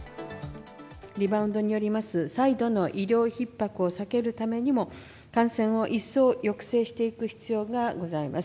リバウンドによりますと、再度の医療ひっ迫を避けるためにも感染を一層抑制していく必要がございます。